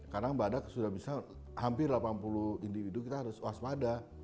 kadang badak sudah bisa hampir delapan puluh individu kita harus waspada